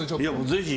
ぜひ。